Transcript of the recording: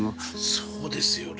そうですよね。